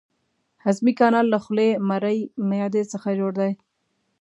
هضمي کانال له خولې، مرۍ، معدې څخه جوړ دی.